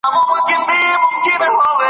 هغه په دې برخه کې ډېر کار کړی دی.